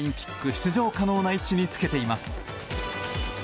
出場可能な位置につけています。